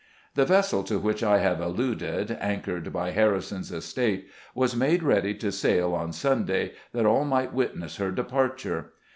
The vessel to which I have alluded, anchored by Harrison's estate, was made ready to sail on Sun day, that all might witness her departure.